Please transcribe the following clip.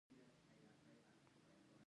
ځمکه د افغانستان د طبیعي زیرمو برخه ده.